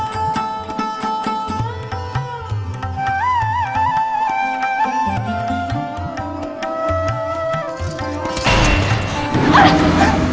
tidak apa apa ritu